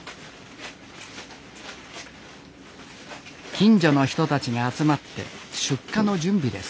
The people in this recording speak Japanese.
近所の人たちが集まって出荷の準備です。